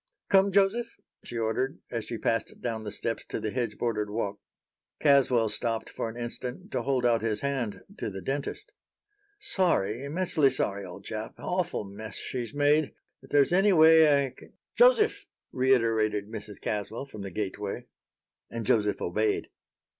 "Come, Joseph," she ordered, as she passed down the steps to the hedge bordered walk. Caswell stopped for an instant to hold out his hand to the dentist. "Sorry, immensely sorry, old chap. Awful mess she's made. If there's any way I can" "Joseph!" reiterated Mrs. Caswell from the gateway. And Joseph obeyed.